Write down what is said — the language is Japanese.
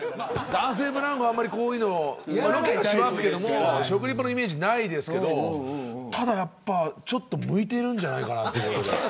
男性ブランコあんまりこういうの食リポのイメージないですけどただ、やっぱりちょっと向いているんじゃないかなと。